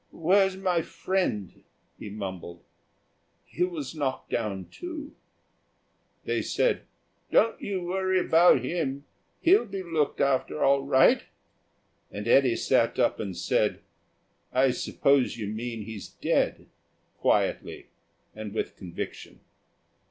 "Where's my friend?" he mumbled. "He was knocked down, too." They said, "Don't you worry about him; he'll be looked after all right," and Eddy sat up and said, "I suppose you mean he's dead," quietly, and with conviction.